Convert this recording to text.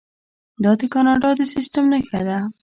دا د کاناډا د سیستم نښه ده.